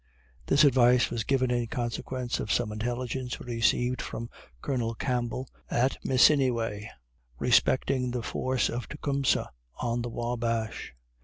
This advice was given in consequence of some intelligence received from Colonel Campbell, at Massiniway, respecting the force of Tecumseh on the Wabash.